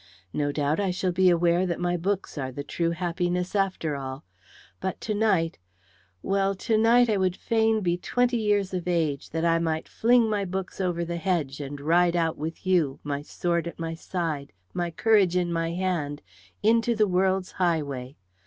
No doubt I shall be aware that my books are the true happiness after all. But to night well, to night I would fain be twenty years of age, that I might fling my books over the hedge and ride out with you, my sword at my side, my courage in my hand, into the world's highway.